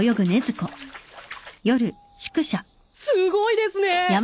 すごいですね！